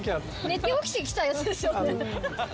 寝て起きて来たやつですよね。